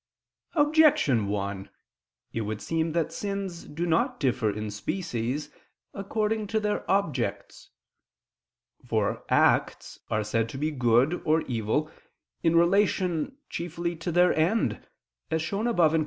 Objection 1: It would seem that sins do not differ in species, according to their objects. For acts are said to be good or evil, in relation, chiefly, to their end, as shown above (Q.